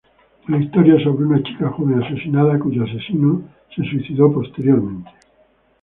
La historia es sobre una chica joven asesinada cuyo asesino se suicidó posteriormente.